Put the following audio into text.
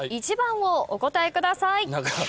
１番をお答えください。